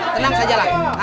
tenang saja lah